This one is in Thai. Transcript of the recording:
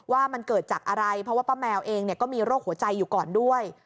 ว่ามันเกิดจากอะไรเพราะว่าป้าแมวเองก็มีโรคหัวใจอยู่ก่อนด้วย